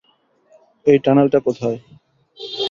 এই টানেলটা কোথায়?